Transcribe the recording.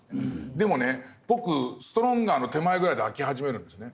でもね僕ストロンガーの手前ぐらいで飽き始めるんですね。